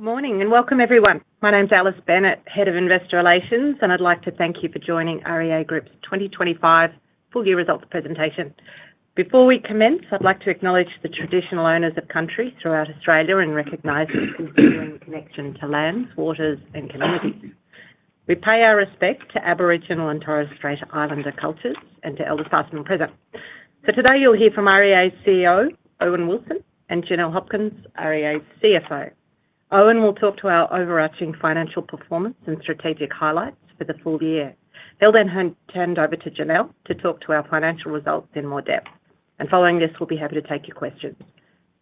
Morning and welcome everyone. My name's Alice Bennett, Head of Investor Relations, and I'd like to thank you for joining REA Group's 2025 full year results presentation. Before we commence, I'd like to acknowledge the traditional owners of country throughout Australia and recognize connection to land, waters, and communities. We pay our respect to Aboriginal and Torres Strait Islander cultures and to elders, past and present. Today you'll hear from REA's CEO Owen Wilson and Janelle Hopkins REA's CFO. Owen Wilson will talk to our overarching financial performance and strategic highlights for the full year. He'll then hand over to Janelle to talk to our financial results in more depth, and following this we'll be happy to take your questions.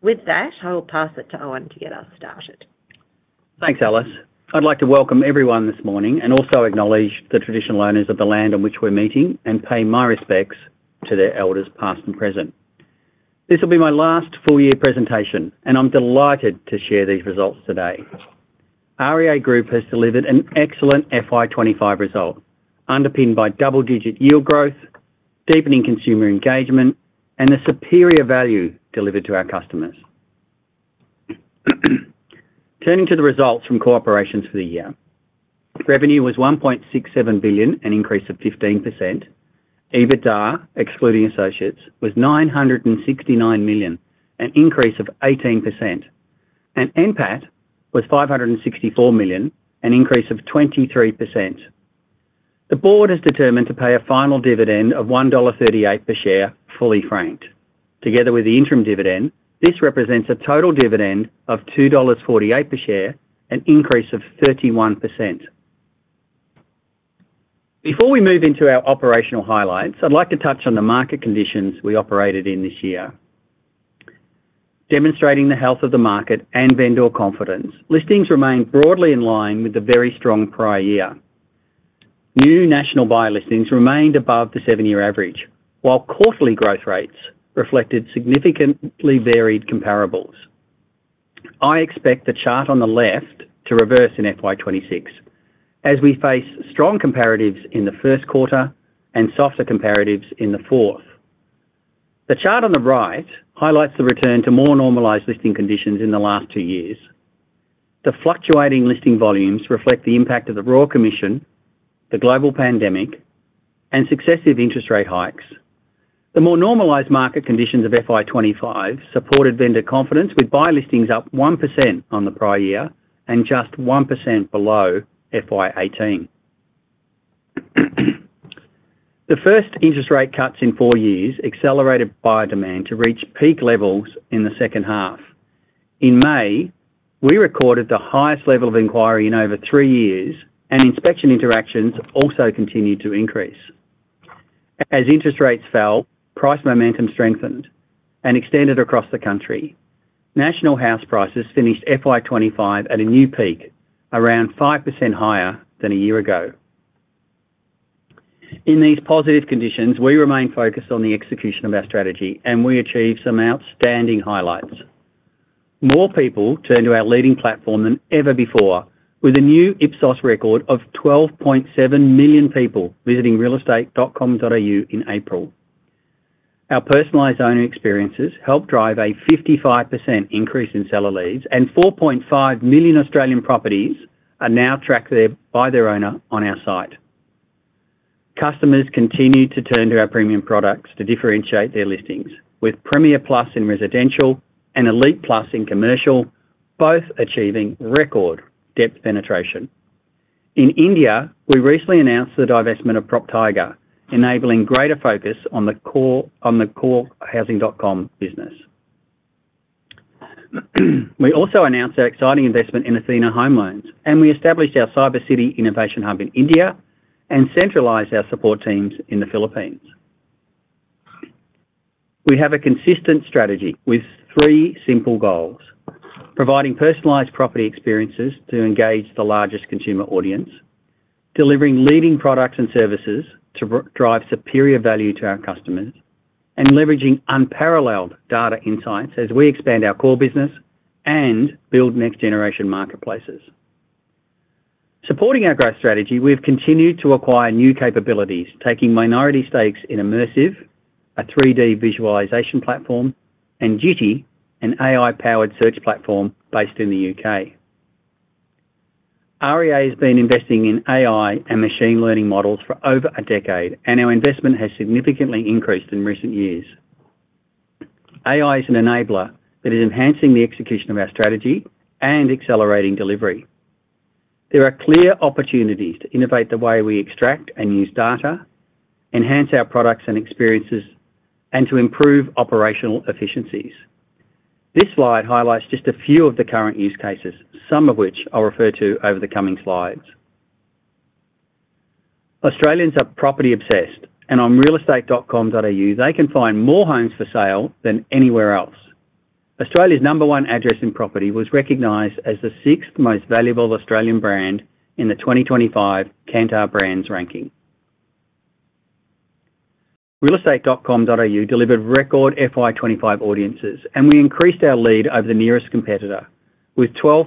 With that, I'll pass it to Owen to get us started. Thanks, Alice. I'd like to welcome everyone this morning and also acknowledge the traditional owners of the land on which we're meeting and pay my respects to their elders, past and present. This will be my last full year presentation and I'm delighted to share these results today. REA Group has delivered an excellent FY 2025 result underpinned by double-digit yield growth, deepening consumer engagement, and the superior value delivered to our customers. Turning to the results from operations, for the year revenue was $1.67 billion, an increase of 15%. EBITDA excluding Associates was $969 million, an increase of 18%, and NPAT was $564 million, an increase of 23%. The board is determined to pay a final dividend of $1.38 per share, fully franked, together with the interim dividend. This represents a total dividend of $2.48 per share, an increase of 31%. Before we move into our operational highlights, I'd like to touch on the market conditions we operated in this year, demonstrating the health of the market and vendor confidence. Listings remained broadly in line with the very strong prior year. New national buyer listings remained above the seven-year average, while quarterly growth rates reflected significantly varied comparables. I expect the chart on the left to reverse in FY 2026 as we face strong comparatives in the first quarter and softer comparatives in the fourth. The chart on the right highlights the return to more normalised listing conditions in the last two years. The fluctuating listing volumes reflect the impact of the Royal Commission, the global pandemic, and successive interest rate hikes. The more normalised market conditions of FY 2025 supported vendor confidence, with buy listings up 1% on the prior year and just 1% below FY 2018. The first interest rate cuts in four years accelerated buyer demand to reach peak levels in the second half. In May, we recorded the highest level of inquiry in over three years and inspection interactions also continued to increase as interest rates fell, price momentum strengthened, and extended across the country. National house prices finished FY 2025 at a new peak, around 5% higher than a year ago. In these positive conditions, we remain focused on the execution of our strategy and we achieved some outstanding highlights. More people turn to our leading platform than ever before with a new Ipsos record of 12.7 million people visiting realestate.com.au in April. Our personalised owner experiences help drive a 55% increase in seller leads, and 4.5 million Australian properties are now tracked by their owner. On our site, customers continue to turn to our premium products to differentiate their listings, with Premier+ in residential and Elite+ in commercial, both achieving record depth penetration. In India, we recently announced the divestment of PropTiger, enabling greater focus on the core Housing.com business. We also announced our exciting investment in Athena Home Loans, and we established our Cybercity Innovation Hub in India and centralized our support teams in the Philippines. We have a consistent strategy with three simple goals: providing personalised property experiences to engage the largest consumer audience, delivering leading products and services to drive superior value to our customers, and leveraging unparalleled data insights as we expand our core business and build NextGeneration marketplaces. Supporting our growth strategy, we've continued to acquire new capabilities, taking minority stakes in Immersive, a 3D visualization platform, and Jiti, an AI powered search platform based in the U.K. REA has been investing in AI and machine learning models for over a decade, and our investment has significantly increased in recent years. AI is an enabler that is enhancing the execution of our strategy and accelerating delivery. There are clear opportunities to innovate the way we extract and use data, enhance our products and experiences, and to improve operational efficiencies. This slide highlights just a few of the current use cases, some of which I'll refer to over the coming slides. Australians are property obsessed, and on realestate.com.au, they can find more homes for sale than anywhere else. Australia's number one address in property was recognised as the sixth most valuable Australian brand in the 2025 Kantar Brands ranking. Realestate.com.au delivered record FY 2025 audiences, and we increased our lead over the nearest competitor with 12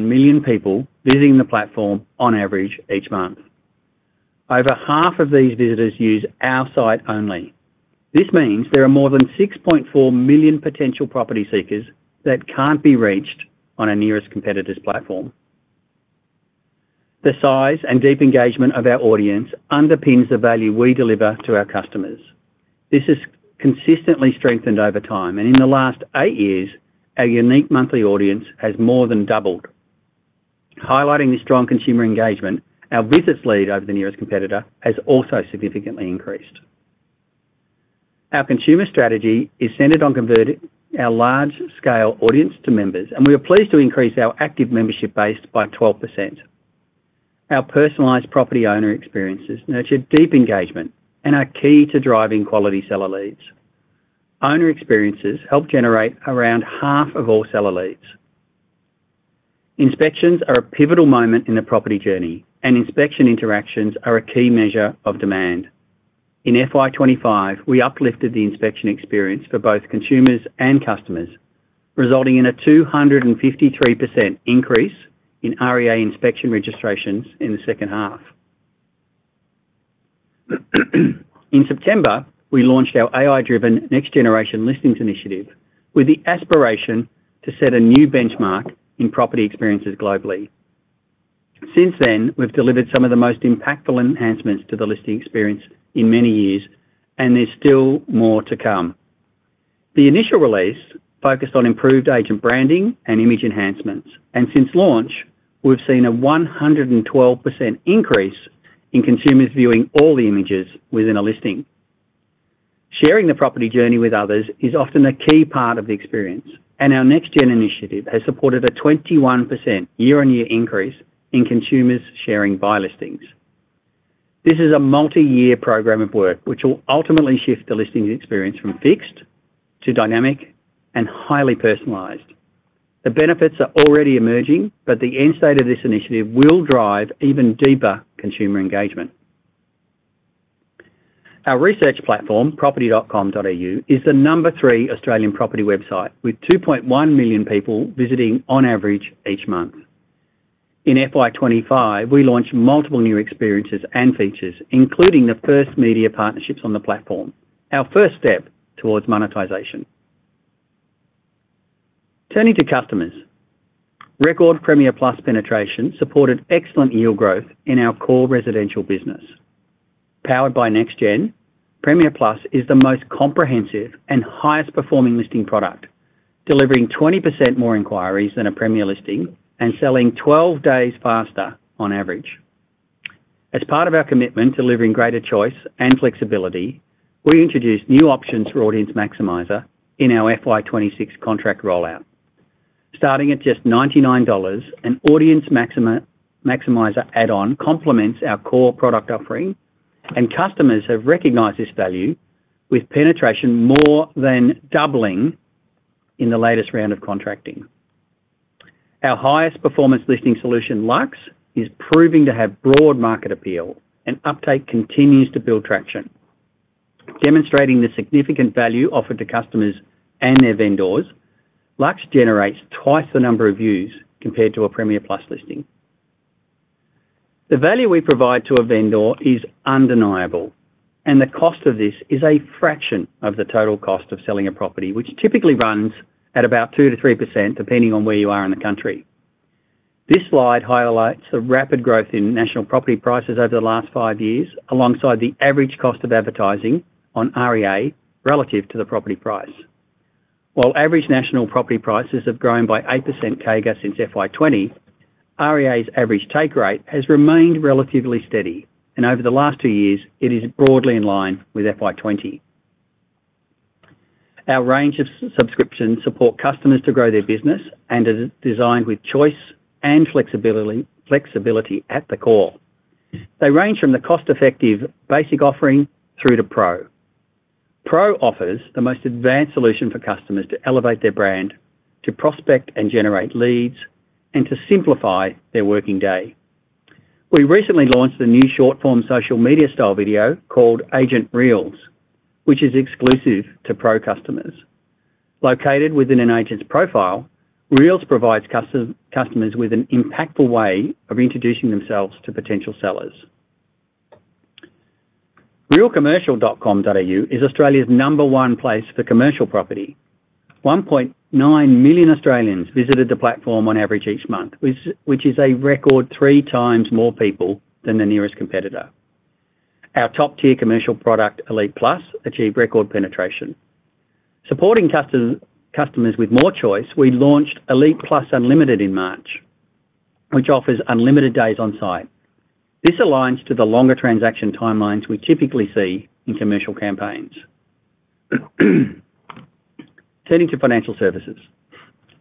million people visiting the platform on average each month. Over half of these visitors use our site only. This means there are more than 6.4 million potential property seekers that can't be reached on our nearest competitor's platform. The size and deep engagement of our audience underpins the value we deliver to our customers. This is consistently strengthened over time, and in the last eight years our unique monthly audience has more than doubled. Highlighting this strong consumer engagement, our visits lead over the nearest competitor has also significantly increased. Our consumer strategy is centered on converting our large-scale audience to members, and we are pleased to increase our active membership base by 12%. Our personalized property owner experiences nurture deep engagement and are key to driving quality seller leads. Owner experiences help generate around half of all seller leads. Inspections are a pivotal moment in the property journey, and inspection interactions are a key measure of demand. In FY 2025, we uplifted the inspection experience for both consumers and customers, resulting in a 253% increase in REA inspection registrations in the second half. In September, we launched our AI-driven NextGeneration Listings initiative with the aspiration to set a new benchmark in property experiences globally. Since then, we've delivered some of the most impactful enhancements to the listing experience in many years, and there's still more to come. The initial release focused on improved agent branding and image enhancements, and since launch we've seen a 112% increase in consumers viewing all the images within a listing. Sharing the property journey with others is often a key part of the experience, and our NextGen initiative has supported a 21% year-on-year increase in consumers sharing buy listings. This is a multi-year program of work which will ultimately shift the listing experience from fixed to dynamic and highly personalized. The benefits are already emerging, but the end state of this initiative will drive even deeper consumer engagement. Our research platform property.com is the number three Australian property website, with 2.1 million people visiting on average each month. In FY 2025, we launched multiple new experiences and features, including the first media partnerships on the platform, our first step towards monetization. Turning to customers, record Premier+ penetration supported excellent yield growth in our core residential business. Powered by NextGen, Premier+ is the most comprehensive and highest performing listing product, delivering 20% more inquiries than a Premier listing and selling 12 days faster on average. As part of our commitment to delivering greater choice and flexibility, we introduced new options for Audience Maximiser in our FY 2026 contract rollout, starting at just $99. An Audience Maximiser add-on complements our core product offering, and customers have recognized this value with penetration more than doubling in the latest round of contracting. Our highest performance listing solution, Lux, is proving to have broad market appeal, and uptake continues to build traction, demonstrating the significant value offered to customers and their vendors. Lux generates twice the number of views compared to a Premier+ listing. The value we provide to a vendor is undeniable, and the cost of this is a fraction of the total cost of selling a property, which typically runs at about 2%-3% depending on where you are in the country. This slide highlights the rapid growth in national property prices over the last five years alongside the average cost of advertising on REA relative to the property price. While average national property prices have grown by 8% CAGR since FY 2020, REA's average take rate has remained relatively steady, and over the last two years it is broadly in line with FY 2020. Our range of subscriptions support customers to grow their business and are designed with choice and flexibility at the core. They range from the cost-effective basic offering through to Pro. Pro offers the most advanced solution for customers to elevate their brand, to prospect and generate leads, and to simplify their working day. We recently launched the new short-form social media style video called Agent Reels, which is exclusive to Pro customers. Located within an agent's profile, Reels provides customers with an impactful way of introducing themselves to potential sellers. Realcommercial.com is Australia's number one place for commercial property. 1.9 million Australians visited the platform on average each month, which is a record3x more people than the nearest competitor. Our top-tier commercial product, Elite+, achieved record penetration, supporting customers with more choice. We launched Elite+ Unlimited in March, which offers unlimited days on site. This aligns to the longer transaction timelines we typically see in commercial campaigns. Turning to financial services,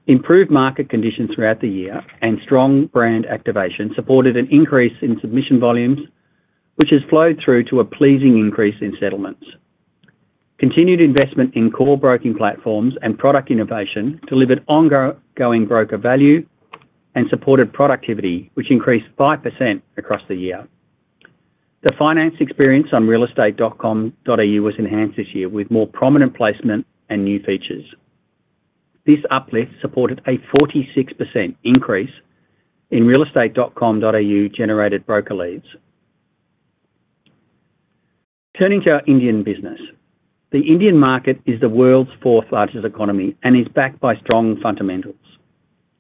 improved market conditions throughout the year and strong brand activation supported an increase in submission volumes, which has flowed through to a pleasing increase in settlements. Continued investment in core broking platforms and product innovation delivered ongoing broker value and supported productivity, which increased 5% across the year. The finance experience on realestate.com.au was enhanced this year with more prominent placement and new features. This uplift supported a 46% increase in realestate.com.au generated broker leads. Turning to our Indian business, the Indian market is the world's fourth largest economy and is backed by strong fundamentals.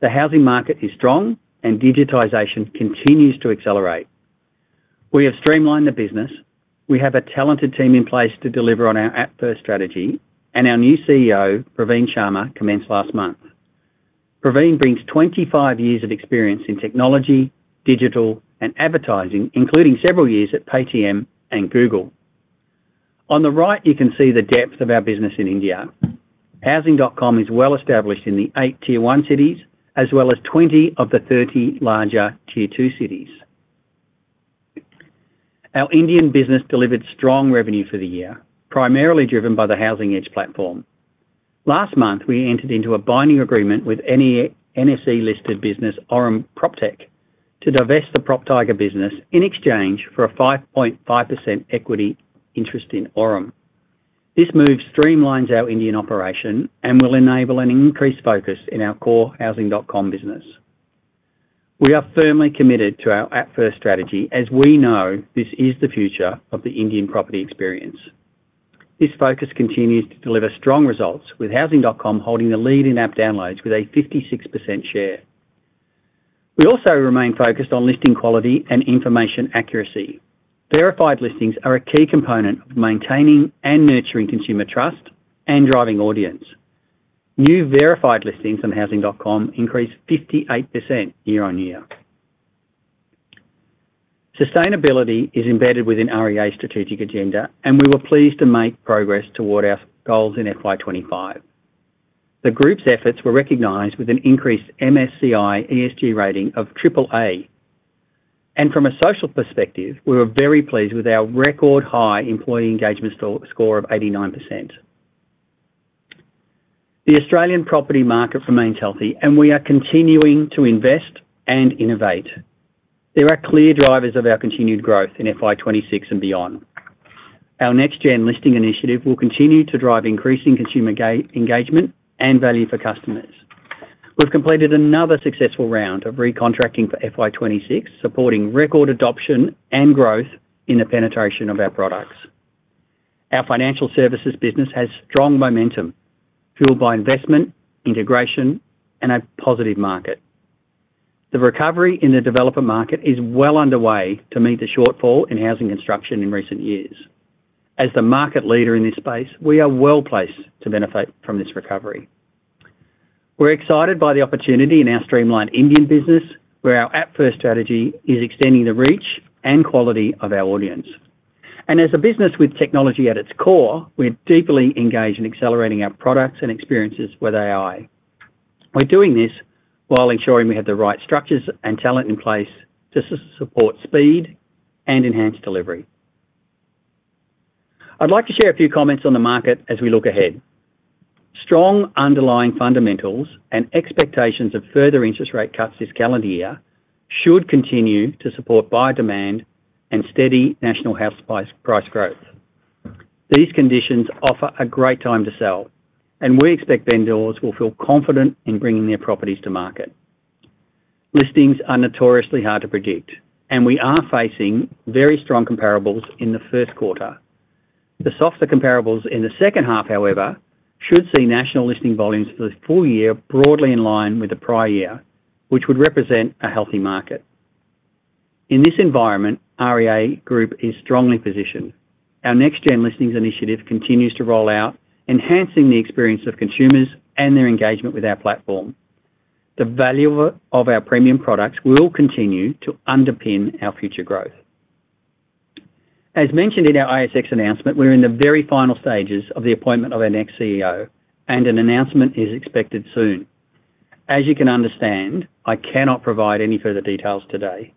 The housing market is strong and digitization continues to accelerate. We have streamlined the business. We have a talented team in place to deliver on our app-first strategy and our new CEO Praveen Sharma commenced last month. Praveen brings 25 years of experience in technology, digital, and advertising including several years at Paytm and Google. On the right, you can see the depth of our business in India. Housing.com is well-established in the eight Tier 1 cities as well as 20 of the 30 larger Tier 2 cities. Our Indian business delivered strong revenue for the year, primarily driven by the Housing Edge platform. Last month, we entered into a binding agreement with NSE-listed business Aurum PropTech to divest the PropTiger business in exchange for a 5.5% equity interest in Aurum. This move streamlines our Indian operation and will enable an increased focus in our core Housing.com business. We are firmly committed to our app-first strategy as we know this is the future of the Indian property experience. This focus continues to deliver strong results with Housing.com holding the lead in app downloads with a 56% share. We also remain focused on listing quality and information accuracy. Verified listings are a key component of maintaining and nurturing consumer trust and driving audience. New verified listings on Housing.com increased 58% year-over-year. Sustainability is embedded within REA's strategic agenda and we were pleased to make progress toward our goals in FY 2025. The group's efforts were recognized with an increased MSCI ESG rating of AAA and from a social perspective we were very pleased with our record high employee engagement score of 89%. The Australian property market remains healthy and we are continuing to invest and innovate. There are clear drivers of our continued growth in FY 2026 and beyond. Our NextGen listing initiative will continue to drive increasing consumer engagement and value for customers. We've completed another successful round of recontracting for FY 2026, supporting record adoption and growth in the penetration of our products. Our financial services business has strong momentum, fueled by investment, integration, and a positive market. The recovery in the developer market is well underway to meet the shortfall in housing construction in recent years. As the market leader in this space, we are well placed to benefit from this recovery. We're excited by the opportunity in our streamlined Indian business, where our app-first strategy is extending the reach and quality of our audience, and as a business with technology at its core, we're deeply engaged in accelerating our products and experiences with AI. We're doing this while ensuring we have the right structures and talent in place to support speed and enhanced delivery. I'd like to share a few comments on the market as we look ahead. Strong underlying fundamentals and expectations of further interest rate cuts this calendar year should continue to support buyer demand and steady national house price growth. These conditions offer a great time to sell, and we expect vendors will feel confident in bringing their properties to market. Listings are notoriously hard to predict, and we are facing very strong comparables in the first quarter. The softer comparables in the second half, however, should see national listing volumes for the full year broadly in line with the prior year, which would represent a healthy market. In this environment, REA Group is strongly-positioned. Our NextGen Listings initiative continues to roll out, enhancing the experience of consumers and their engagement with our platform. The value of our premium products will continue to underpin our future growth. As mentioned in our ASX announcement, we're in the very final stages of the appointment of our next CEO, and an announcement is expected soon. As you can understand, I cannot provide any further details today.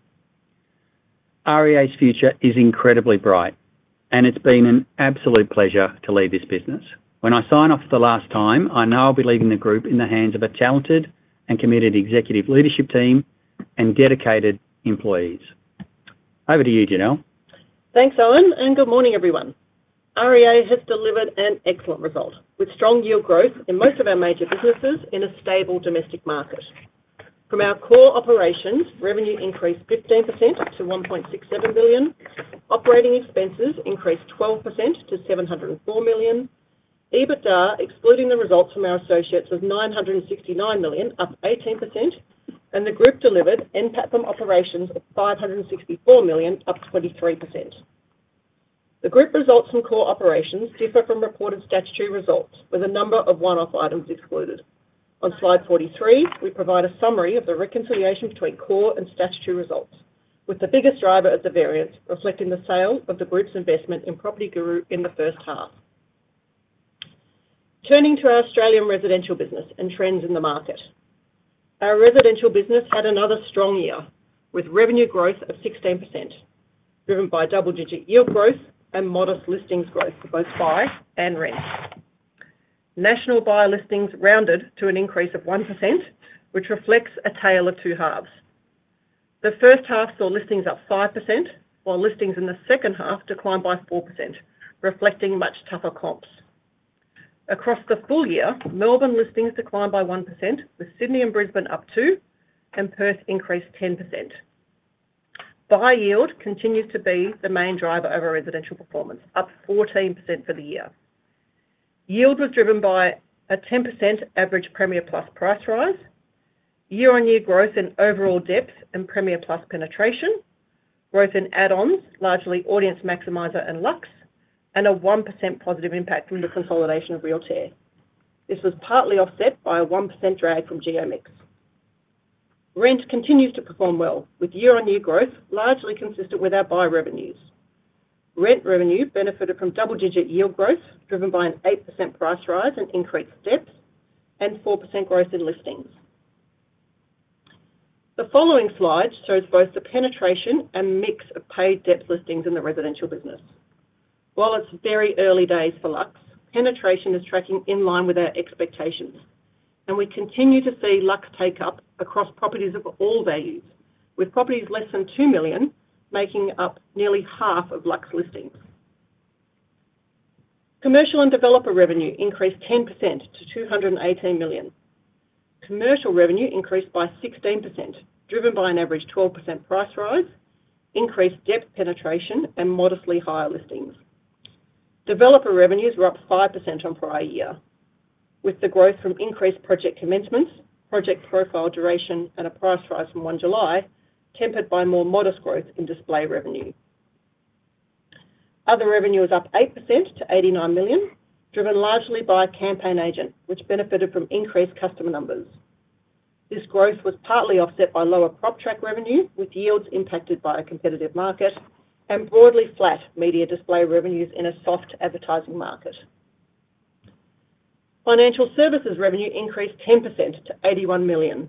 REA's future is incredibly bright, and it's been an absolute pleasure to lead this business. When I sign off for the last time, I know I'll be leaving the group in the hands of a talented and committed executive leadership team and dedicated employees. Over to you, Janelle. Thanks Owen and good morning everyone. REA has delivered an excellent result with strong yield growth in most of our major businesses in a stable domestic market. From our core operations, revenue increased 15% up to $1.67 billion. Operating expenses increased 12% to $704 million. EBITDA, excluding the results from our associates, of $969 million, up 18%, and the group delivered NPAT from operations of $564 million, up 23%. The group results from core operations differ from reported statutory results with a number of one-off items excluded. On slide 43, we provide a summary of the reconciliation between core and statutory results, with the biggest driver of the variance reflecting the sale of the Group's investment in Property Guru in the first half. Turning to our Australian residential business and trends in the market, our residential business had another strong year with revenue growth of 16% driven by double-digit yield growth and modest listings growth for both buy and rents. National buy listings rounded to an increase of 1%, which reflects a tale of two halves. The first half saw listings up 5%, while listings in the second half declined by 4%, reflecting much tougher comps across the full year. Melbourne listings declined by 1%, with Sydney and Brisbane up 2%, and Perth increased 10%. Buy yield continues to be the main driver of our residential performance, up 14% for the year. Yield was driven by a 10% average Premier+ price rise, year-on-year growth in overall depth and Premier+ penetration, growth in add-ons, largely Audience Maximiser and Lux, and a 1% positive impact from the consolidation of Realtair. This was partly offset by a 1% drag from Geomics. Marines continues to perform well with year-on-year growth largely consistent with our buy revenues. Rent revenue benefited from double-digit yield growth driven by an 8% price rise and increased depth and 4% growth in listings. The following slide shows both the penetration and mix of paid depth listings in the residential business. While it's very early days for Lux, penetration is tracking in line with our expectations and we continue to see Lux.Take up across properties of all values. With properties less than $2 million making up nearly half of Lux listings, Commercial and Developer revenue increased 10% to $218 million. Commercial revenue increased by 16%, driven by an average 12% price rise, increased debt penetration, and modestly higher listings. Developer revenues were up 5% on prior year, with the growth from increased project commencements, project profile duration, and a price rise from July 1 tempered by more modest growth in display revenue. Other revenue was up 8% to $89 million, driven largely by Campaign Agent, which benefited from increased customer numbers. This growth was partly offset by lower PropTrack revenue, with yields impacted by a competitive market and broadly flat media display revenues in a soft advertising market. Financial services revenue increased 10% to $81 million.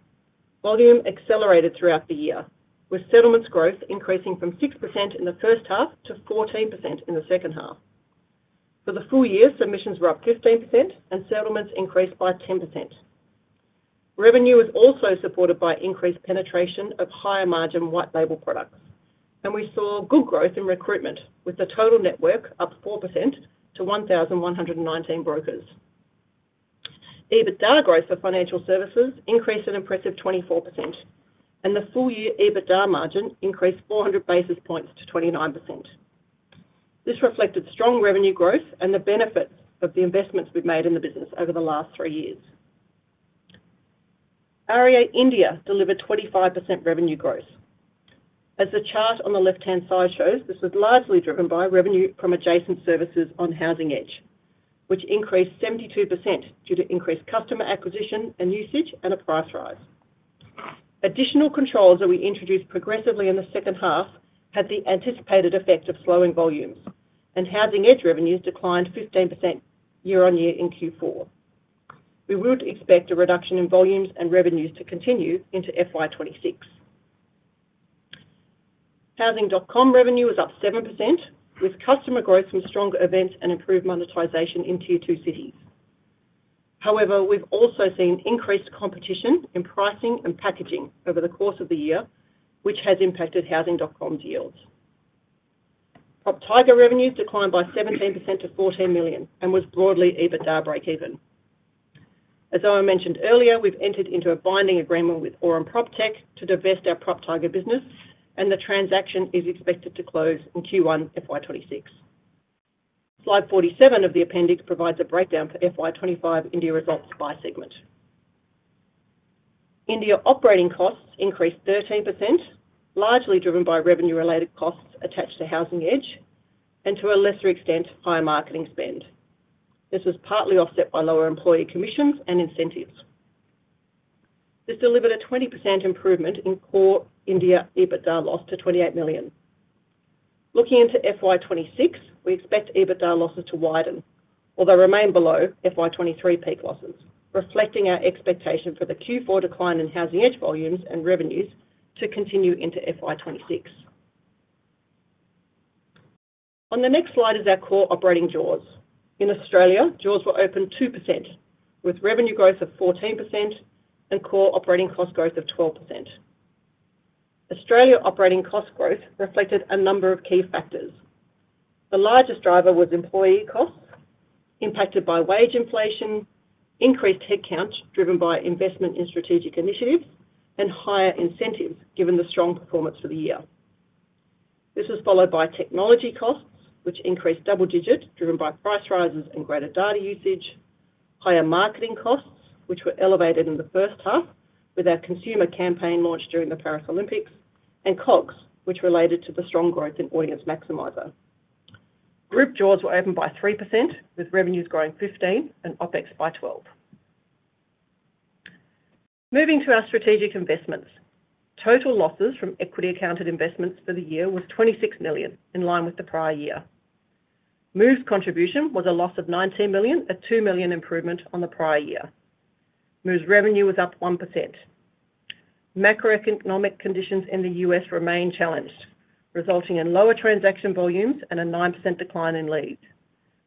Volume accelerated throughout the year, with settlements growth increasing from 6% in the first half to 14% in the second half. For the full year, submissions were up 15% and settlements increased by 10%. Revenue was also supported by increased penetration of higher margin white label products, and we saw good growth in recruitment with the total network up 4% to 1,119 brokers. EBITDA growth for financial services increased an impressive 24%, and the full year EBITDA margin increased 400 basis points to 29%. This reflected strong revenue growth and the benefit of the investments we've made in the business over the last three years. REA India delivered 25% revenue growth, as the chart on the left-hand side shows. This was largely driven by revenue from adjacent services on Housing Edge, which increased 72% due to increased customer acquisition and usage and a price rise. Additional controls that we introduced progressively in the second half had the anticipated effect of slowing volumes, and Housing Edge revenues declined 15% year-over-year in Q4. We would expect a reduction in volumes and revenues to continue into FY 2026. Housing.com revenue was up 7%, with customer growth from stronger events and improved monetization in Tier 2 cities. However, we've also seen increased competition in pricing and packaging over the course of the year, which has impacted Housing.com's yields. PropTiger revenues declined by 17% to $14 million and was broadly EBITDA breakeven. As I mentioned earlier, we've entered into a binding agreement with Aurum PropTech to divest our PropTiger business, and the transaction is expected to close in Q1 FY 2026. Slide 47 of the appendix provides a breakdown for FY 2025 India results by segment. India operating costs increased 13%, largely driven by revenue-related costs attached to Housing Edge and to a lesser extent higher marketing spend. This was partly offset by lower employee commissions and incentives. This delivered a 20% improvement in core India EBITDA loss to $28 million. Looking into FY 2026, we expect EBITDA losses to widen although remain below FY 2023 peak losses, reflecting our expectation for the Q4 decline in Housing Edge volumes and revenues to continue into FY 2026. On the next slide is our core operating jaws in Australia. Jaws were open 2% with revenue growth of 14% and core operating cost growth of 12%. Australia operating cost growth reflected a number of key factors. The largest driver was employee costs impacted by wage inflation, increased headcount driven by investment in strategic initiatives, and higher incentives given the strong performance for the year. This was followed by technology costs, which increased double-digit driven by price rises and greater data usage, higher marketing costs which were elevated in the first half with our consumer campaign launched during the Paris Olympics, and COGS which related to the strong growth in Audience Maximiser Group. Jaws were opened by 3% with revenues Growing 15% and OpEx by 12%. Moving to our strategic investments, total losses From equity accounted investments for the year, was $26 million in line with the prior year. Move's contribution was a loss of $19 million, a $2 million improvement on the prior year. Move's revenue was up 1%. Macroeconomic conditions in the U.S. remain challenged, resulting in lower transaction volumes and a 9% decline in leads.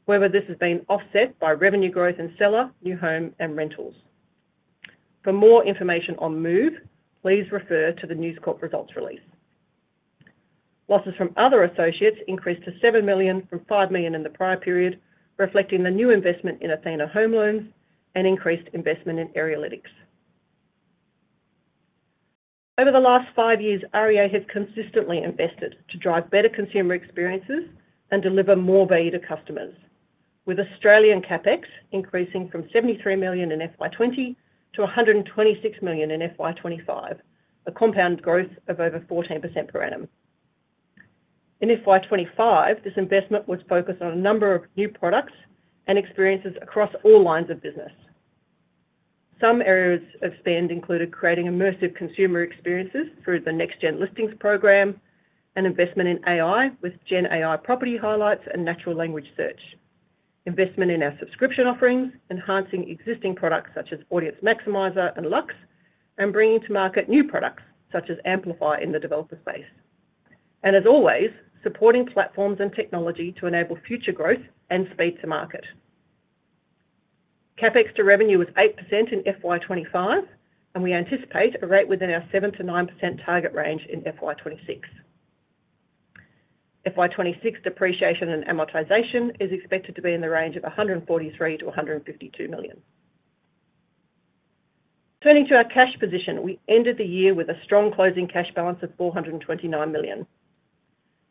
However, this has been offset by revenue growth in seller, new home, and rentals. For more information on Move, please refer to the News Corp results release. Losses from other associates increased to $7 million from $5 million in the prior period, reflecting the new investment in Athena home loans and increased investment in Arealytics. over the last five years, REA has consistently invested to drive better consumer experiences and deliver more value to customers, with Australian capex increasing from $73 million in FY 2020 to $126 million in FY 2025, a compound growth of over 14% per annum in FY 2025. This investment was focused on a number of new products and experiences across all lines of business. Some areas of spend included creating immersive consumer experiences through the NextGen listings program and investment in AI with Gen AI, Property Highlights and Natural Language Search, investment in our subscription offerings, enhancing existing products such as Audience Maximiser and Lux, and bringing to market new products such as Amplify in the developer space and, as always, supporting platforms and technology to enable future growth and speed to market. Capex to revenue was 8% in FY 2025 and we anticipate a rate within our 7%-9% target range in FY 2026. FY 2026 depreciation and amortization is expected to be in the range of $143 million-$152 million. Turning to our cash position, we ended the year with a strong closing cash Balance of $429 million.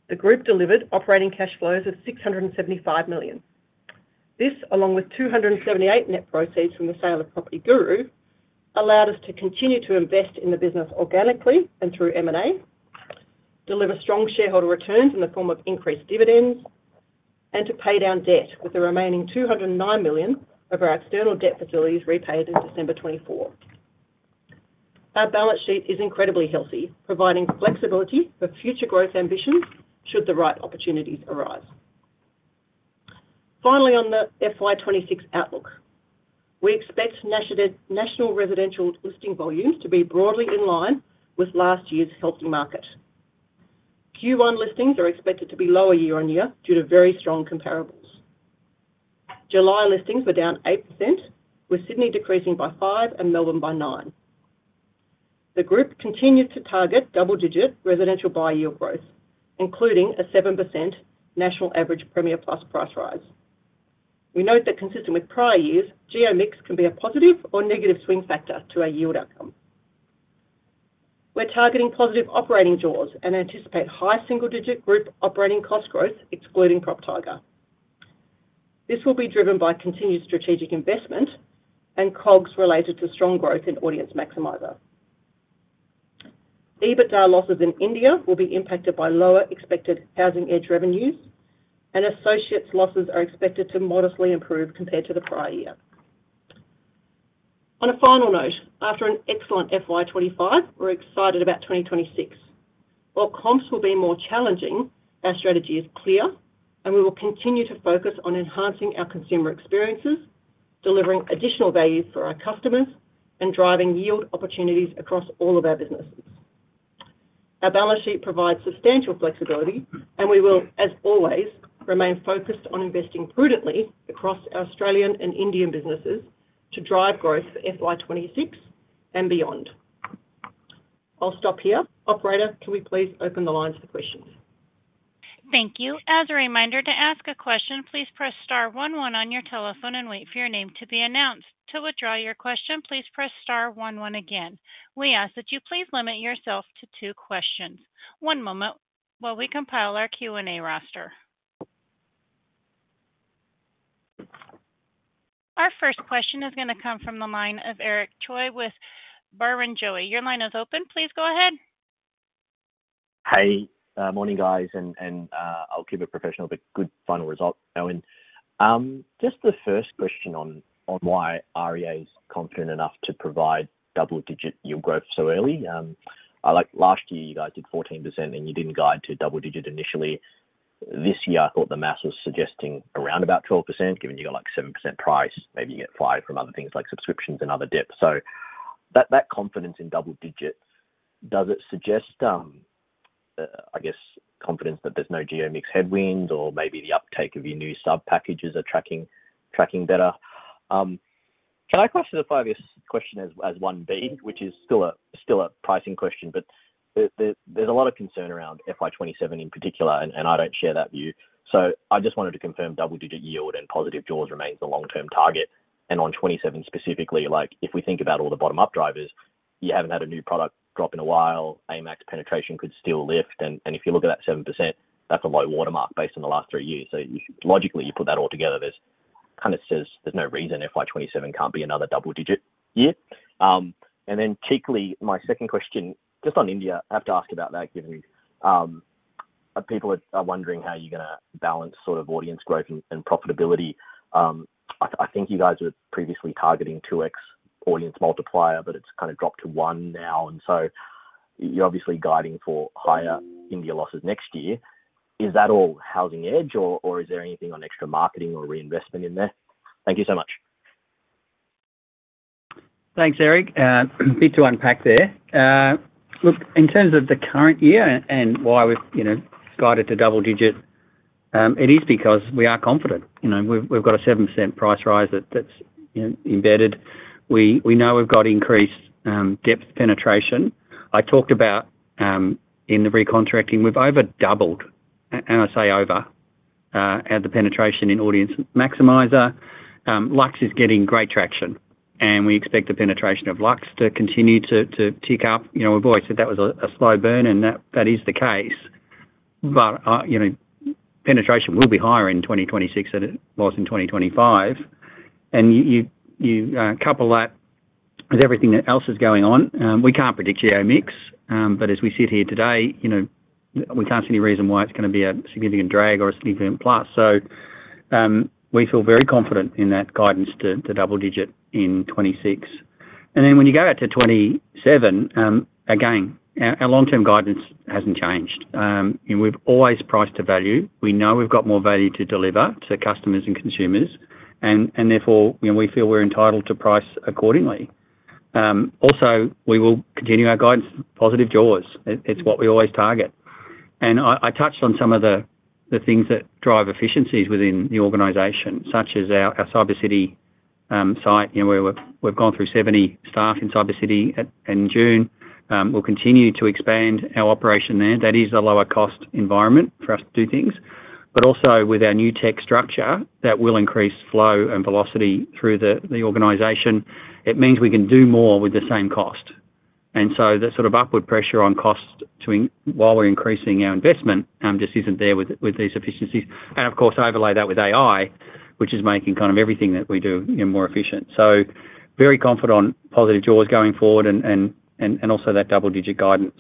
The group delivered operating cash flows of $675 million. This, along with $278 million net proceeds from the sale of Property Guru, allowed us to continue to invest in the business organically and through M&A, deliver strong shareholder returns in the form of increased dividends, and to pay down debt. With the remaining $209 million of our external debt facilities repaid in December 2024, our balance sheet is incredibly healthy, providing flexibility for future growth ambitions should the right opportunities arise. Finally, on the FY 2026 outlook, we expect national residential listing volumes to be broadly in line with last year's healthy market. Q1 listings are expected to be lower year-over-year due to very strong comparables. July listings were down 8% with Sydney decreasing by 5% and Melbourne by 9%. The group continued to target double-digit residential buy yield growth, including a 7% national average Premier+ price rise. We note that, consistent with prior years, geo mix can be a positive or negative swing factor to our yield outcome. We're targeting positive operating jaws and anticipate high single-digit group operating cost growth excluding PropTiger. This will be driven by continued strategic investment and COGS related to strong growth in Audience Maximiser. EBITDA losses in India will be impacted by lower expected Housing Edge revenues, and associates losses are expected to modestly improve compared to the prior year. On a final note, after an excellent FY 2025, we're excited about 2026. While comps will be more challenging, our strategy is clear and we will continue to focus on enhancing our consumer experiences, delivering additional value for our customers, and driving yield opportunities across all of our business. Our balance sheet provides substantial flexibility and we will, as always, remain focused on investing prudently across Australian and Indian businesses to drive growth for FY 2026 and beyond. I'll stop here. Operator, can we please open the lines for questions? Thank you. As a reminder to ask a question, please press Star one one on your telephone and wait for your name to be announced. To withdraw your question, please press Star one one again. we ask that you please limit yourself to two questions. One moment while we compile our Q&A roster. Our first question is going to come from the line of Eric Choi with Barrenjoey. Your line is open. Please go ahead. Hey, morning guys. I'll keep it professional but good final result. Owen, just the first question on why REA is confident enough to provide double-digit yield growth so early. Like last year you guys did 14% and you didn't guide to double-digit initially. This year I thought the math was suggesting around about 12% given you got like 7% price, maybe you get fired from other things like subscriptions and other dip. That confidence in double-digit, does it suggest, I guess, confidence that there's no Geomix headwinds or maybe the uptake of your new stub packages are tracking better. Can I classify this question as 1b, which is still a pricing question, but there's a lot of concern around FY 2027 in particular and I don't share that view. I just wanted to confirm double-digit yield and positive JAWS remains the long-term target. On 2027 specifically, if we think about all the bottom-up drivers, you haven't had a new product drop in a while. Amax penetration could still lift. If you look at that 7%, that's a low watermark based on the last three years, logically, you put that all together. This kind of says there's no reason FY 2027 can't be another double-digit year. My second question, just on India, I have to ask about that given people are wondering how you're going to balance sort of audience growth and profitability, I think you guys were previously targeting 2x audience multiplier, but it's kind of dropped to 1x now. You're obviously guiding for higher India losses next year. Is that all Housing Edge, or is there anything on extra marketing or reinvestment in there? Thank you so much. Thanks Eric. Bit to unpack there. Look, in terms of the current year and why we've guided to double-digit, it is because we are confident. We've got a 7% price rise that's embedded. We know we've got increased depth penetration I talked about in the recontracting, we've over doubled, and I say over, the penetration in Audience Maximiser. Lux is getting great traction and we expect the penetration of Lux to continue to tick up. You know we've always said that was a slow burn and that that is the case, but you know penetration will be higher in 2026 than it was in 2025, and you couple that with everything else that is going on. We can't predict geo mix, but as we sit here today, we can't see any reason why it's going to be a significant drag or a significant plus. We feel very confident in that guidance to double digit in 2026, and then when you go out to 2027, again, our long term guidance hasn't changed. We've always priced to value. We know we've got more value to deliver to customers and consumers, and therefore we feel we're entitled to price accordingly. Also, we will continue our guidance positive jaws, it's what we always target. I touched on some of the things that drive efficiencies within the organization, such as our Cybercity site where we've gone through 70 staff in Cybercity in June. We'll continue to expand our operation there. That is a lower cost environment for us to do things. Also, with our new tech structure, that will increase flow and velocity through the organization, it means we can do more with the same cost. The sort of upward pressure on cost while we're increasing our investment just isn't there with these efficiencies. Of course, overlay that with AI, which is making kind of everything that we do more efficient. Very confident on positive jaws going forward, and also that double digit guidance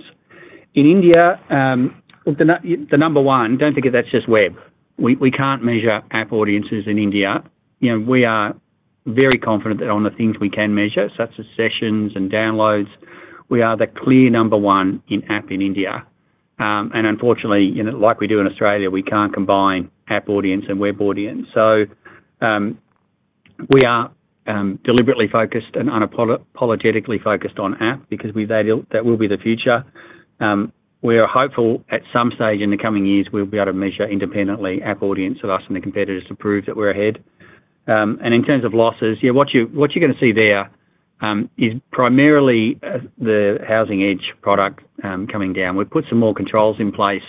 in India. The number one, don't forget that's just web. We can't measure app audiences in India. We are very confident that on the things we can measure, such as sessions and downloads, we are the clear number one in app in India, and unfortunately, like we do in Australia, we can't combine app audience and web audience. We are deliberately focused and unapologetically focused on app because we think that will be the future. We are hopeful at some stage in the coming years we'll be able to measure independently app audience of us and the competitors to prove that we're ahead. In terms of losses, what you're going to see there is primarily the Housing Edge product coming down. We've put some more controls in place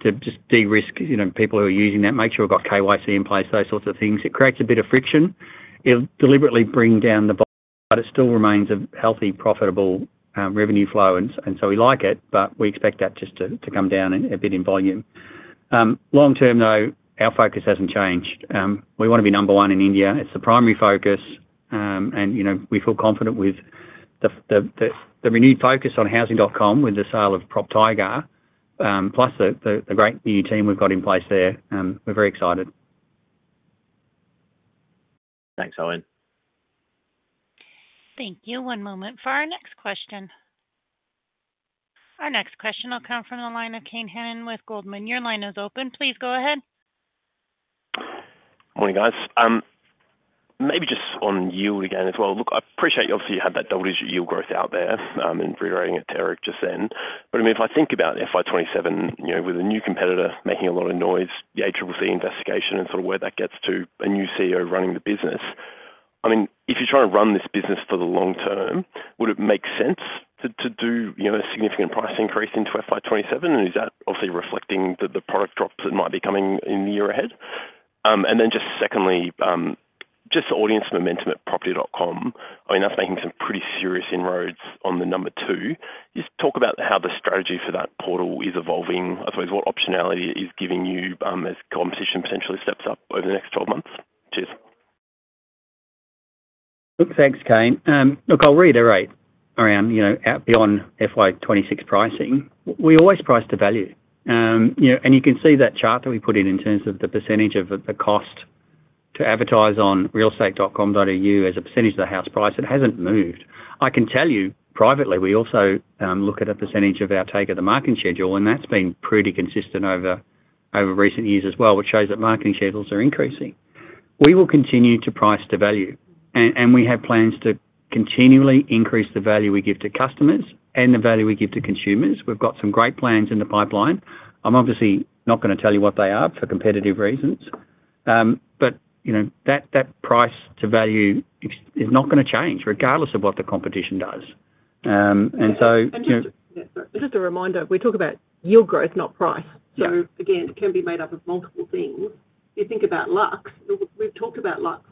to just de-risk people who are using that, make sure we've got KYC in place, those sorts of things. It creates a bit of friction, it'll deliberately bring down the volume, but it still remains a healthy, profitable revenue flow. We like it. We expect that just to come down a bit in volume. Long-term though, our focus hasn't changed. We want to be number one in India, it's the primary focus and we feel confident with the renewed focus on Housing.com with the sale of PropTiger plus the great new team we've got in place there. We're very excited. Thanks, Owen. Thank you. One moment for our next question. Our next question will come from the line of Kane Hannan with Goldman Sachs. Your line is open. Please go ahead. Morning guys. Maybe just on yield again as well. Look, I appreciate you obviously had that double-digit yield growth out there and rewriting it to Eric just then. If I think about FY 2027 with a new competitor making a lot of noise, the ACCC investigation and sort of where that gets to, a new CEO running the. If you're trying to run this business for the long term, would it make sense to do a significant price increase into FY 2027 and is that obviously reflecting the product drops that might be coming in the year ahead? Secondly, just audience momentum at realestate.com.au, I mean that's making some pretty serious inroads on the number two. Just talk about how the strategy for that portal is evolving. I suppose what optionality is giving you as competition potentially steps up over the next 12 months. Cheers. Thanks, Kane. I'll reiterate around, you know, beyond FY 2026 pricing, we always price to value and you can see that chart that we put in in terms of the percentage of the cost to advertise on realestate.com.au as a percentage of the house price. It hasn't moved. I can tell you privately we also look at a percentage of our take of the marketing schedule and that's been pretty consistent over recent years as well, which shows that marketing schedules are increasing. We will continue to price to value and we have plans to continually increase the value we give to customers and the value we give to consumers. We've got some great plans in the pipeline. I'm obviously not going to tell you what they are for competitive reasons, but you know that price to value is not going to change regardless of what the competition does. Just a reminder, we talk about yield growth, not price It can be made up of multiple things. You think about Lux, we've talked about Lux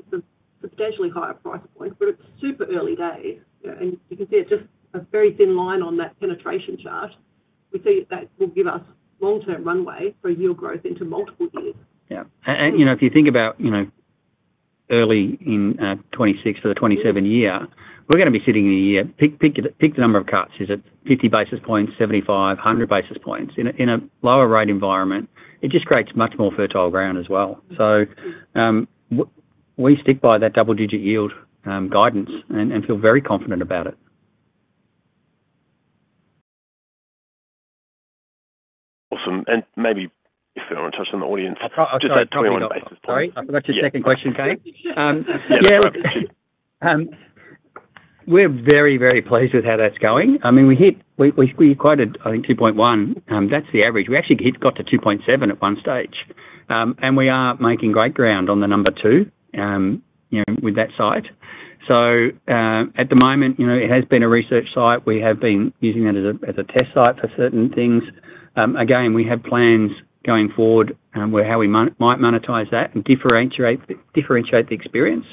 substantially higher price points. It's super early days, and you can see it's a very thin line on that penetration chart. We see that will give us long-term runway for yield growth into multiple years. If you think about early in 2026 for the 2027 year, we're going to be sitting in a year, pick the number of cuts, is it 50 basis points, 75, 100 basis points? In a lower rate environment, it just creates much more fertile ground as well. We stick by that double-digit yield guidance and feel very confident about it. Awesome. If we want to touch on the audience. Sorry, I forgot your second question. Yeah, look, we're very, very pleased with how that's going. I mean we hit, we quoted I think 2.1. That's the average. We actually got to 2.7 at one stage and we are making great ground on the number two with that site. At the moment, you know, it has been a research site. We have been using that as a test site for certain things. Again, we have plans going forward how we might monetize that and differentiate, differentiate the experience.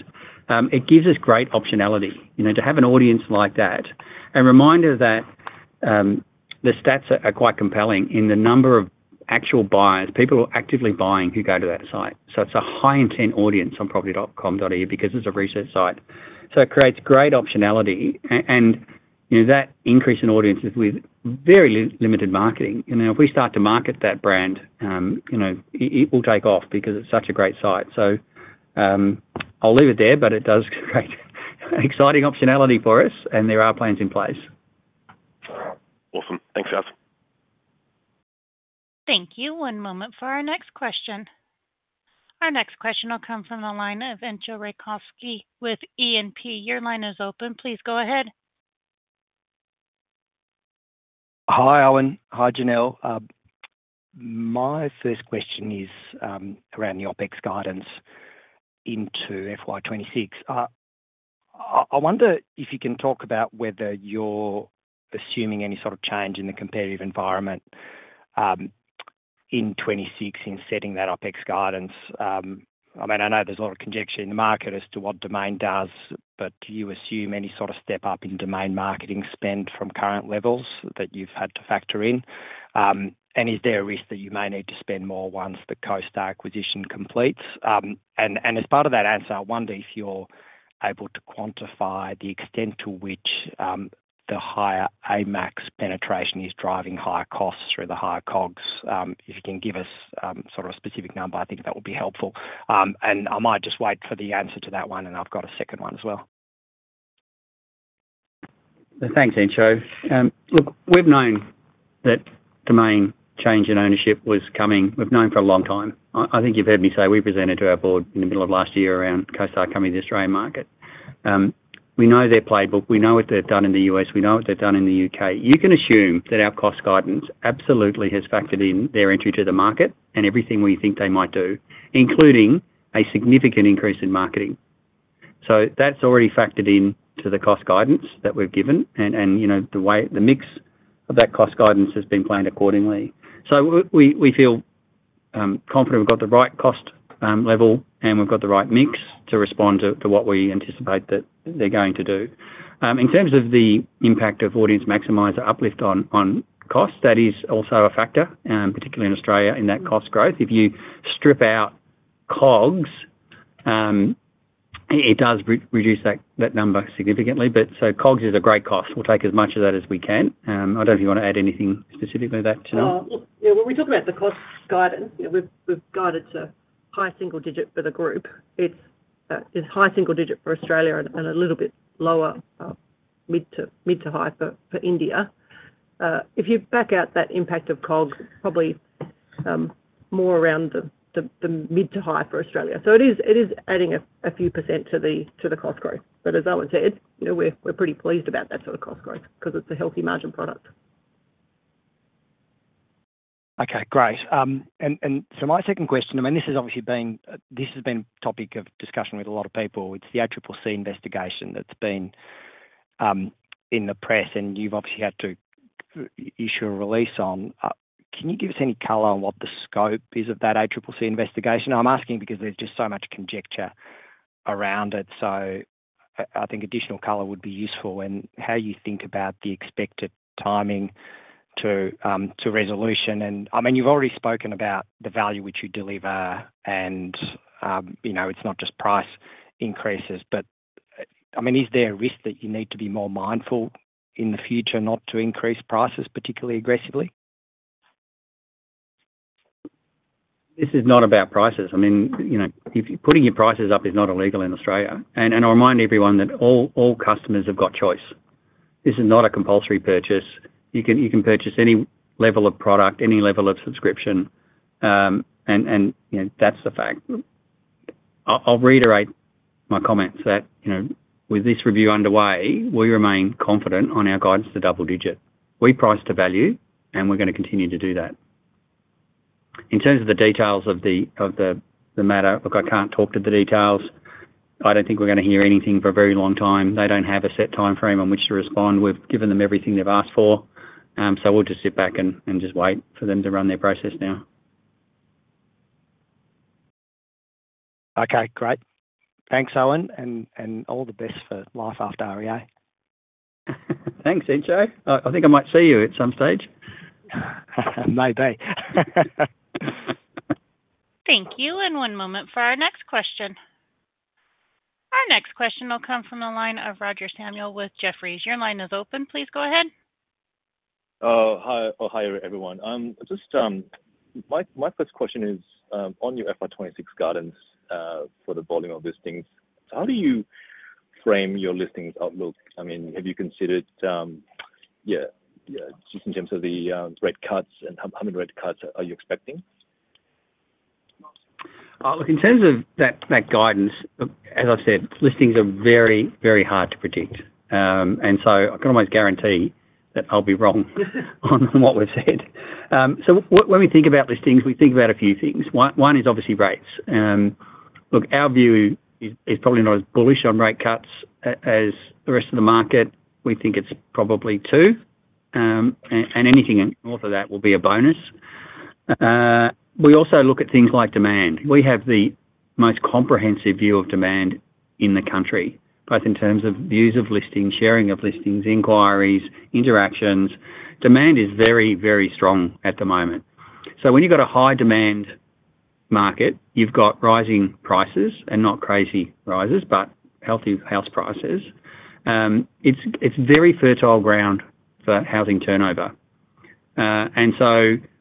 It gives us great optionality, you know, to have an audience like that. A reminder that the stats are quite compelling in the number of actual buyers, people who are actively buying who go to that site. It's a high intent audience on property.com because it's a research site. It creates great optionality and that increase in audiences with very limited marketing. If we start to market that brand it will take off because it's such a great site. I'll leave it there. It does create exciting optionality for us and there are plans in place. Awesome. Thanks. Thank you. One moment for our next question. Our next question will come from the line of Entcho Raykovski with E&P. Your line is open. Please go ahead. Hi Alan. Hi Janelle. My first question is around the OpEx guidance into FY 2026. I wonder if you can talk about whether you're assuming any sort of change in the competitive environment in 2026 setting that OpEx guidance. I know there's a lot of conjecture in the market as to what Domain does, but do you assume any sort of step up in Domain marketing spend from current levels that you've had to factor in? Is there a risk that you may need to spend more once the CoStar acquisition completes? As part of that answer, I wonder if you're able to quantify the extent to which the higher AudMax penetration is driving higher costs through the higher COGS. If you can give us a specific number, I think that would be helpful. I might just wait for the answer to that one. I've got a second one as well. Thanks, Ansho. Look, we've known that the main change in ownership was coming. We've known for a long time. I think you've heard me say we presented to our board in the middle of last year around CoStar coming to the Australian market. We know their playbook, we know what they've done in the U.S., we know what they've done in the U.K. You can assume that our cost guidance absolutely has factored in their entry to the market and everything we think they might do, including a significant increase in marketing. That's already factored into the cost guidance that we've given, and the way the mix of that cost guidance has been planned accordingly. We feel confident we've got the right cost level and we've got the right mix to respond to what we anticipate that they're going to do. In terms of the impact of Audience Maximiser uplift on cost, that is also a factor, particularly in Australia, in that cost growth. If you strip out COGS, it does reduce that number significantly. COGS is a great cost. We'll take as much of that as we can. I don't know if you want to add anything specifically to that when we talk. About the cost guidance, we've guided to high single digit for the group. High single digit for Australia and India little bit lower mid to high. For India, if you back out that impact of cognitive, probably more around the mid to high for Australia. It is adding a fewpercentage to the cost growth. As Alan said, we're pretty pleased about that sort of cost growth because it's a healthy margin product. Okay, great. My second question, this has obviously been a topic of discussion with a lot of people. It's the ACCC investigation that's been in the press and you've obviously had to issue a release on it. Can you give us any color on what the scope is of that ACCC investigation? I'm asking because there's just so much conjecture around it. I think additional color would be useful in how you think about the expected timing to resolution. You've already spoken about the value which you deliver and you know, it's not just price increases. Is there a risk that you need to be more mindful in the future not to increase prices particularly aggressively? This is not about prices. I mean, you know, putting your prices up is not illegal in Australia. I remind everyone that all customers have got choice. This is not a compulsory purchase. You can purchase any level of product, any level of subscription. That's the fact. I'll reiterate my comments that, you know, with this review underway, we remain confident on our guidance to double-digit. We price to value, and we're going to continue to do that. In terms of the details of the matter, look, I can't talk to the details. I don't think we're going to hear anything for a very long time. They don't have a set time frame on which to respond. We've given them everything they've asked for. We'll just sit back and wait for them to run their process now. Okay, great. Thanks, Owen all the best for life after REA. Thanks, Entcho. I think I mght see you at some stage. Maybe. Thank you. One moment for our next question. Our next question will come from the line of Roger Samuel with Jefferies. Your line is open. Please go ahead. Hi everyone. My first question is on your FY 2026 guidance for the volume of listings. How do you frame your listings outlook? I mean, have you considered, just in terms of the rate cuts and how many rate cuts are you expecting? Look, in terms of that guidance, as I said, listings are very, very hard to predict. I can almost guarantee that I'll be wrong on what we've said. When we think about listings, we think about a few things. One is obviously rates. Our view is probably not as bullish on rate cuts as the rest of the market. We think it's probably two, and anything north of that will be a bonus. We also look at things like demand. We have the most comprehensive view of demand in the country, both in terms of views of listings, sharing of listings, inquiries, interactions. Demand is very, very strong at the moment. When you've got a high demand market, you've got rising prices and not crazy rises, but healthy house prices. It's very fertile ground for housing turnover.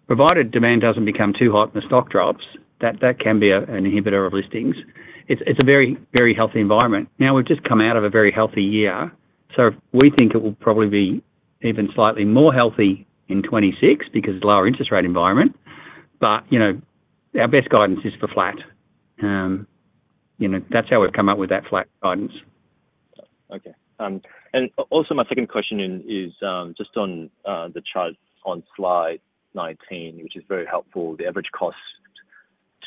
Provided demand doesn't become too hot and the stock drops, that can be an inhibitor of listings. It's a very, very healthy environment. We've just come out of a very healthy year, so we think it will probably be even slightly more healthy in 2026 because lower interest rate environment. You know, our best guidance is for flat. That's how we've come up with that flat guidance. Okay, my second question is just on the chart on slide 19, which is very helpful. The average cost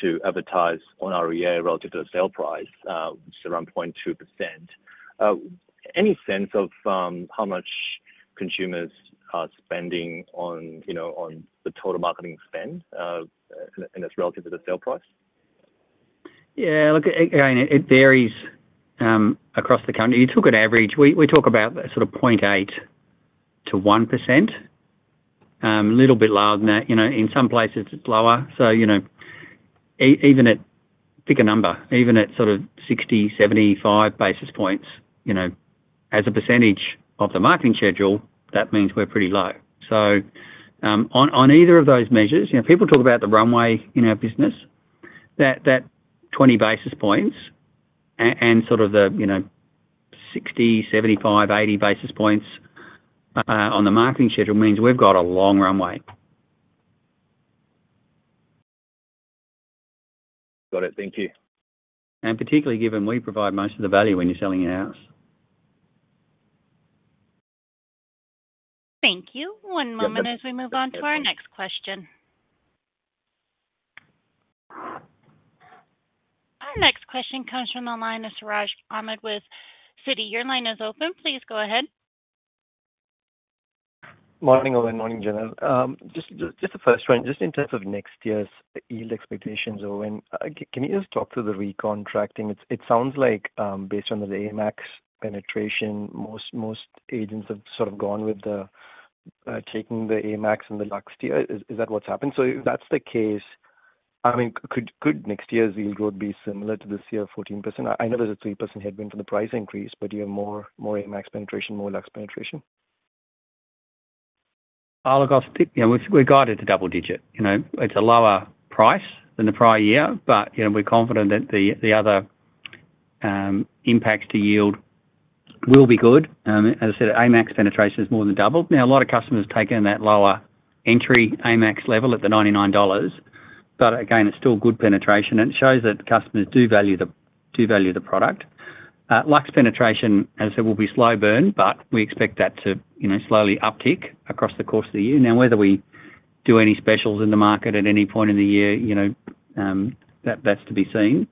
to advertise on REA relative to the sale price, which is around 0.2%. Any sense of how much consumers are spending on the total marketing spend, and that's relative to the sale price? Yeah, look, it varies across the country. You took an average, we talk about sort of 0.8% to 1%. A little bit lower than that. You know, in some places it's lower. Even at a bigger number, even at sort of 60, 75 basis points, you know, as a percentage of the marketing schedule, that means we're pretty low on either of those measures. People talk about the runway in our business, that 20 basis points and sort of the, you know, 60, 75, 80 basis points on the marketing schedule means we've got a long runway. Got it. Thank you, particularly given we provide most of the value when you're selling your house. Thank you. One moment as we move on to our next question. Our next question comes from the line of Siraj Ahmed with Citi. Your line is open. Please go ahead. Morning, General. Just the first one. Just in terms of next year's yield expectations, can you just talk through the recontracting? It sounds like based on the AudMax penetration, most agents have sort of gone with taking the AudMax and the Lux. Is that what's happened? If that's the case, I mean, could next year's yield be similar to this year, 14%? I know there's a 3% headwind for the price increase, but you have more AudMax penetration, more Lux penetration. Oh, look, I think, you know, we're guided to double-digit, you know, it's a lower price than the prior year. But, you know, we're confident that the other impacts to yield will be good. As I said, AudMax penetration is more than doubled. Now a lot of customers take in that lower entry AudMax level at the $99. But again, it's still good penetration and it shows that customers do value the, do value the product. Lux penetration, as it will be, is slow burn, but we expect that to, you know, slowly uptick across the course of the year. Now, whether we do any specials in the market at any point in the year, that's to be seen.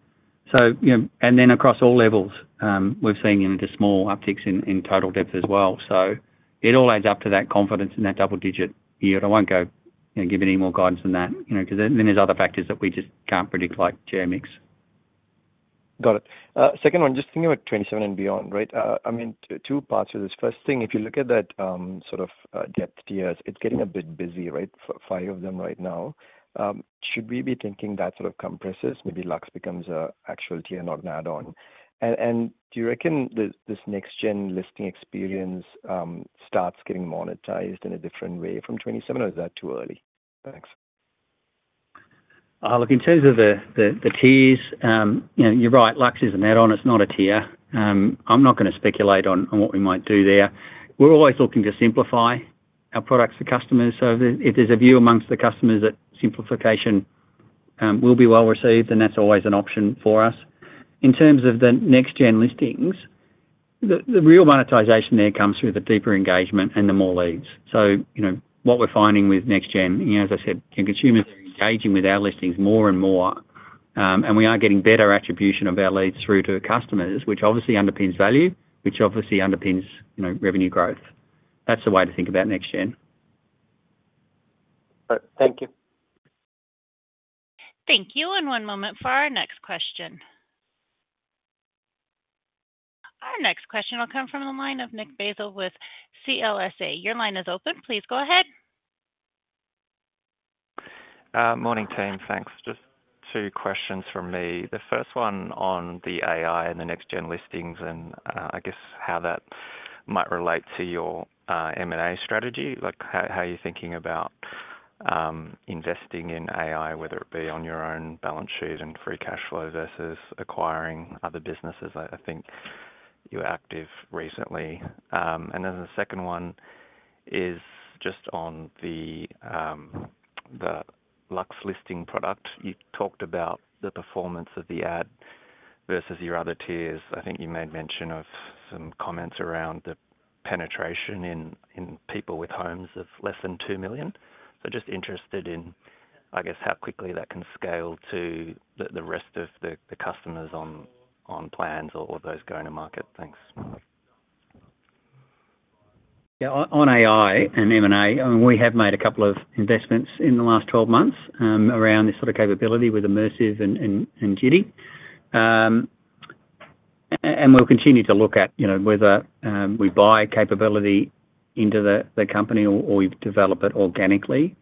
You know, and then across all levels, we've seen in the small upticks in total depth as well. It all adds up to that confidence in that double digit yield. I won't go give any more guidance than that because then there's other factors that we just can't predict, like share mix. Got it. Second one, just thinking about 2027 and beyond, right? I mean, two parts of this. First thing, if you look at that sort of depth tiers, it's getting a bit busy, right? For five of them right now, should we be thinking that sort of compresses? Maybe Lux becomes an actual tier, not an add-on. Do you reckon this NextGen listing experience starts getting monetized in a different way from 2027, or is that too early? Thanks. Look, in terms of the tiers, you know, you're right, Lux is an add-on, it's not a tier. I'm not going to speculate on what we might do there. We're always looking to simplify our products for customers. If there's a view amongst the customers that simplification will be well received, that's always an option for us. In terms of the NextGen listings, the real monetization there comes through the deeper engagement and the more leads. You know what we're finding with NextGen, as I said, consumers engaging with our listings more and more and we are getting better attribution of our leads through to customers, which obviously underpins value, which obviously underpins revenue growth. That's the way to think about NextGen. All right, thank you. Thank you. One moment for our next question. Our next question will come from the line of Nick Basile with CLSA. Your line is open. Please go ahead. Morning team. Thanks. Just two questions from me. The first one on the AI and the NextGen listings and I guess how that might relate to your M&A strategy. How are you thinking about investing in AI, whether it be on your own balance sheet and free cash flow versus acquiring other businesses. I think you're active recently. The second one is just on the Lux listing product. You talked about the performance of the ad versus your other tiers. I think you made mention of some comments around the penetration in people with homes of less than $2 million. I guess how quickly, that can scale to the rest of the customers on plans or those going to market. Thanks. Yeah, on AI and M&A, we have made a couple of investments in the last 12 months around this sort of capability with Immersive and Jiti, and we'll continue to look at, you know, whether we buy capability into the company or we develop it organically.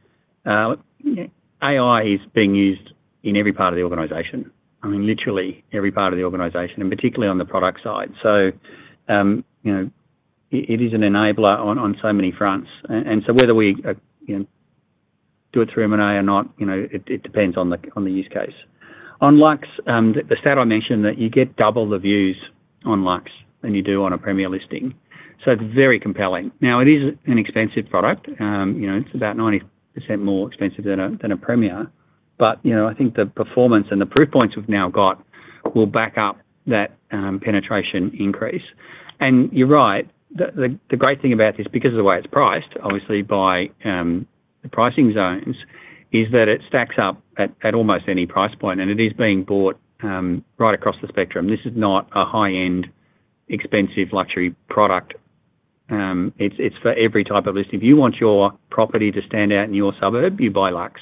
AI is being used in every part of the organization, I mean literally every part of the organization, and particularly on the product side. It is an enabler on so many fronts. Whether we do it through M&A or not, it depends on the use case. On Lux, the stat I mentioned is that you get double the views on Lux than you do on a Premier listing, so very compelling. Now, it is an expensive product. It's about 90% more expensive than a Premier. I think the performance and the proof points we've now got will back up that penetration increase. You're right, the great thing about this, because of the way it's priced obviously by the pricing zones, is that it stacks up at almost any price point and it is being bought right across the spectrum. This is not a high-end, expensive luxury product. It's for every type of list. If you want your property to stand out in your suburb, you buy Lux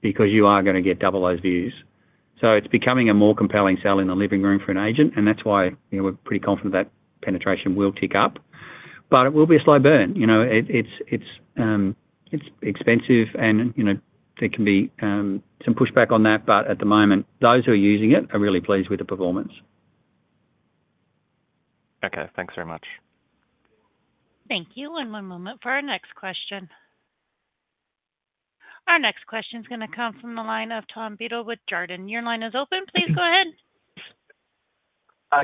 because you are going to get double those views. It's becoming a more compelling sell in the living room for an agent. That's why we're pretty confident that penetration will tick up. It will be a slow burn. It's expensive and there can be some pushback on that. At the moment, those who are using it are really pleased with the performance. Okay, thanks very much. Thank you. One moment for our next question. Our next question is going to come from the line of Thomas Beadle with Jarden. Your line is open. Please go ahead.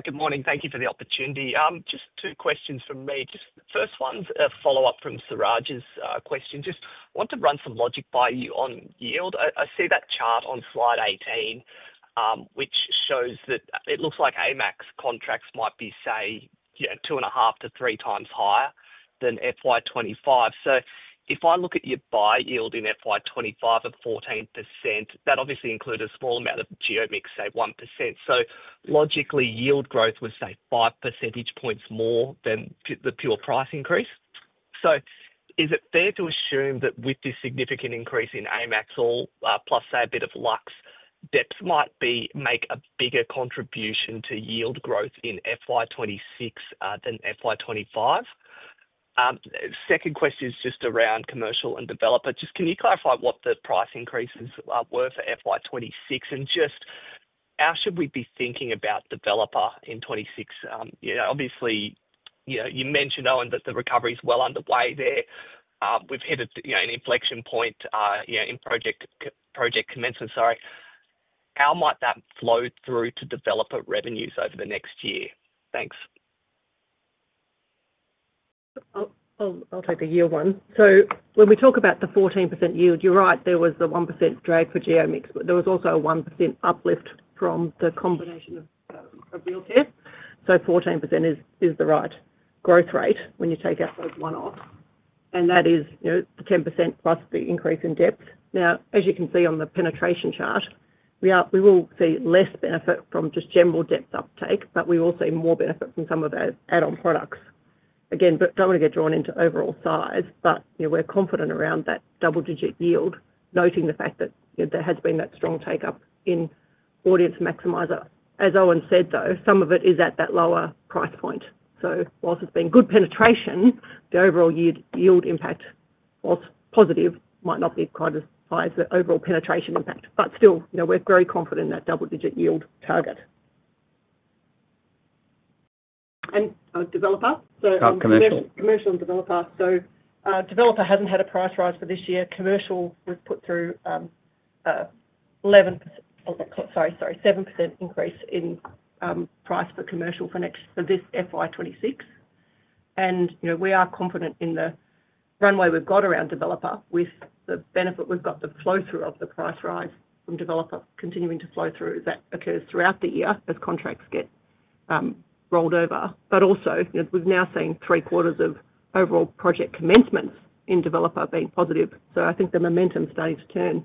Good morning. Thank you for the opportunity. Just two questions from me. First one's a follow up from Siraj's question. Just want to run some logic by you on yield. I see that chart on slide 18 which shows that it looks like Amax contracts might be say 2.5x-3x higher than FY 2025. If I look at your buy yield in FY 2025 at 14% that obviously includes a small amount of geomics, say 1%. Logically, yield growth would say 5 percentage points more than the pure price increase. Is it fair to assume that with this significant increase in Amax or plus a bit of luxury depth, it might make a bigger contribution to yield growth in FY 2026 than FY 2025? Second question is just around commercial and developer. Can you clarify what the price increases were for FY 2026 and how should we be thinking about developer in 2016? Obviously, you mentioned Owen that the recovery is well underway there. We've hit an inflection point in project commencement. How might that flow through to developer revenues over the next year? Thanks. I'll take the yield one. When we talk about the 14% yield, you're right there was the 1%. Drag for geo mix, but there was also a 1% uplift from the combination of real care. 14% is the right growth rate when you take REA as one ought. That is 10%+ the increase in depth. Now, as you can see on the penetration chart, we will see less benefit. From just general depth uptake, we will see more benefit from some of our add-on products. Again, don't want to get drawn into overall size, but we're confident around that double-digit yield, noting the fact that there has been that strong take up in Audience Maximiser. As Owen said, though, some of it, is at that lower price point. Whilst it's been good penetration, the overall yield impact, whilst positive, might not be quite as high as the overall penetration impact. Still, you know we're very confident in that double-digit yield target. And developer, commercial, commercial and Developer. Developer hasn't had a price rise for this year, commercial was put through 11. Sorry, 7% increase in price for commercial finance for this FY 2026. We are confident in the runway we've got around Developer, with the benefit we've got, the flow-through of the price rise from Developer continuing to flow through, that occurs throughout the year as contracts get rolled over. We've now seen 3/4 of overall project commencement in developer being positive. I think the momentum stays 10%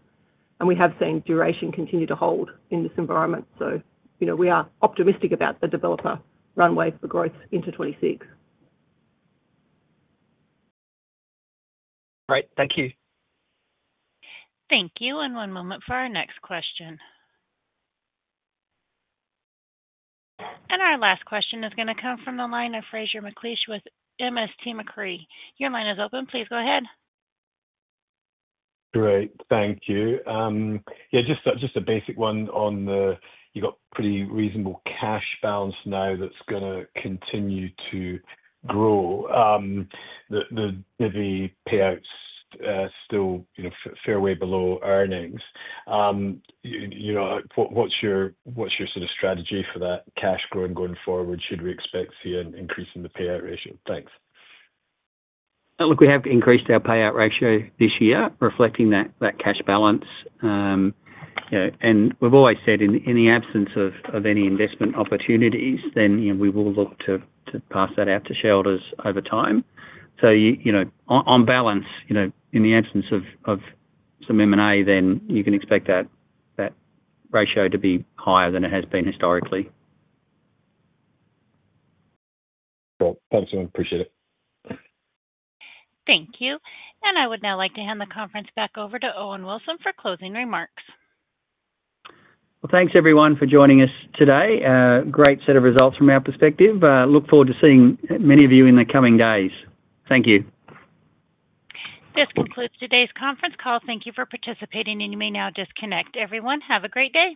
and we have seen duration continue to. Hold in this environment. We are optimistic about the developer runway for growth into 2026. Great, thank you, thank you. One moment for our next question. Our last question is going to come from the line of Fraser McLeish with MST Marquee. Your line is open. Please go ahead. Great, thank you. Yeah, just a basic one on the, you got pretty reasonable cash balance now that's going to continue to grow. The payout's still fair way below earnings. What's your sort of strategy for that cash growing going forward? Should we expect to see an increase in the payout ratio? Thanks. Look, we have increased our payout ratio this year reflecting that cash balance, and we've always said in the absence of any investment opportunities, we will look to pass that out to shareholders over time. On balance, in the absence of some M&A, you can expect that ratio to be higher than it has been historically. Thanks. Appreciate it. Thank you. I would now like to hand the conference back over to Owen Wilson for closing remarks. Thanks everyone for joining us today. Great set of results from our perspective. Look forward to seeing many of you in the coming days. Thank you. This concludes today's conference call. Thank you for participating. You may now disconnect, everyone. Have a great day.